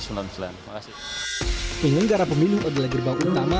penyelenggara pemilu adalah gerbang utama